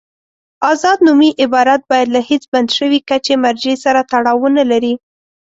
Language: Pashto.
آزاد نومي عبارت باید له هېڅ بند شوي کچې مرجع سره تړاو ونلري.